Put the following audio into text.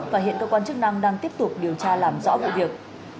và hiện cơ quan chức năng đang tiếp tục điều tra làm rõ vụ việc